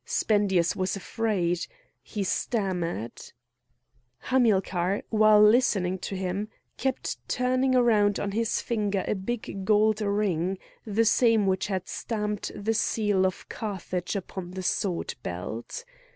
Spendius was afraid; he stammered. Hamilcar, while listening to him, kept turning round on his finger a big gold ring, the same which had stamped the seal of Carthage upon the sword belt.